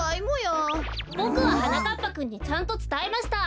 ボクははなかっぱくんにちゃんとつたえました！